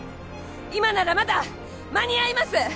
今ならまだ間に合います！